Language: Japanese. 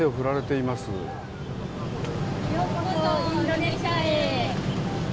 ようこそ、インドネシアへ。